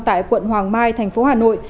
tại quận hoàng mai thành phố hà nội